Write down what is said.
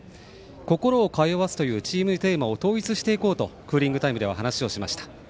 心を通わせるというチームテーマを統一していこうとクーリングタイムでは話をしました。